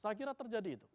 saya kira terjadi itu